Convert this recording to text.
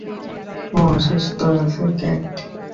ও সুস্থই আছে, ক্যাট।